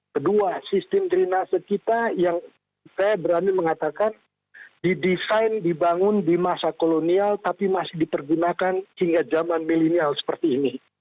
kedua sistem drenase kita yang saya berani mengatakan didesain dibangun di masa kolonial tapi masih dipergunakan hingga zaman milenial seperti ini